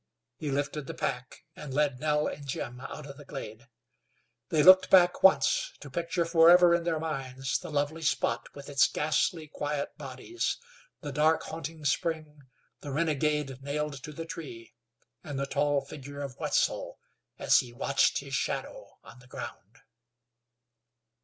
He lifted the pack, and led Nell and Jim out of the glade. They looked back once to picture forever in their minds the lovely spot with its ghastly quiet bodies, the dark, haunting spring, the renegade nailed to the tree, and the tall figure of Wetzel as he watched his shadow on the ground.